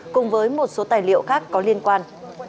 cùng với một số tài liệu khác có liên quan